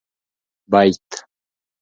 بيت